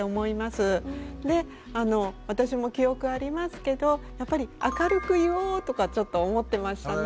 で私も記憶ありますけどやっぱり明るく言おうとかちょっと思ってましたね。